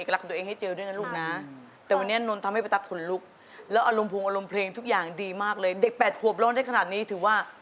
ฮักอายชอบมาจนแย่ส่อยให้เป็นรักแท้สู่เรา